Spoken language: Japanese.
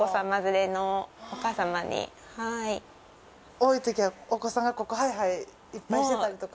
多いときはお子さんがここはいはいいっぱいしてたりとか。